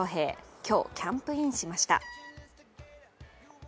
今日、キャンプインしました。